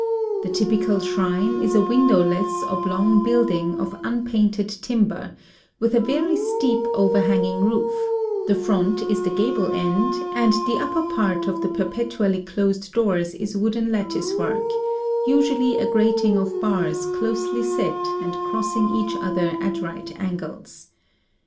The typical shrine is a windowless oblong building of unpainted tim ber, with a very steep overhanging roof ; the front is the gable end ; and the upper part of the perpetually closed doors is wooden lattice work, — usually a grating of bars closely set and crossing each other at right angles.